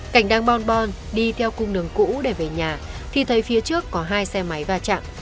cảnh đang bonbon đi theo cung đường cũ để về nhà thì thấy phía trước có hai xe máy va chạm